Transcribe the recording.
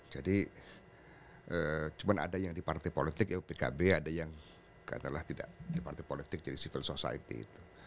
jadi cuman ada yang di partai politik ya pkb ada yang katalah tidak di partai politik jadi civil society itu